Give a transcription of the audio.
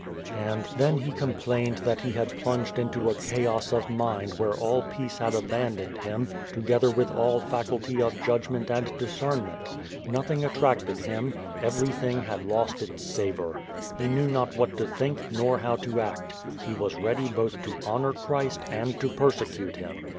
And then he complained that he had plunged into a chaos of mind where all peace had abandoned him, together with all faculty of judgment and discernment. Nothing attracted him. Everything had lost its savor. He knew not what to think, nor how to act. He was ready both to honor Christ, and to persecute him.